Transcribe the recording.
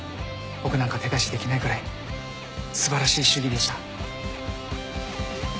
僕なんか手出しできないくらい素晴らしい手技でした